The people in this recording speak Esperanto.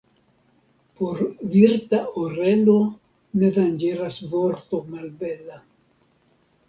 Por virta orelo ne danĝeras vorto malbela.